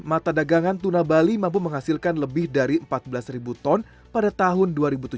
mata dagangan tuna bali mampu menghasilkan lebih dari empat belas ton pada tahun dua ribu tujuh belas